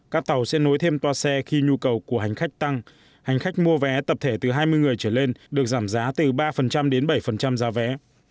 các tàu sẽ nối thêm toa xe khi nhu cầu của hành khách tăng hành khách mua vé tập thể từ hai mươi người trở lên được giảm giá từ ba đến bảy giá vé